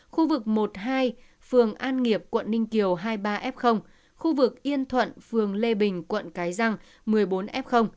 khu vực một hai phường an nghiệp quận ninh kiều hai mươi ba f khu vực yên thuận phường lê bình quận cái răng một mươi bốn f